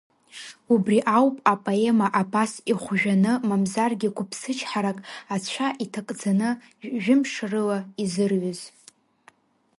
Убри ауп апоема абас ихәжәаны мамзаргьы қәыԥсычҳарак, ацәа иҭакӡаны жәымш рыла изырҩыз.